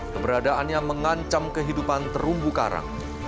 keberadaannya mengancam kehidupan terumbu karang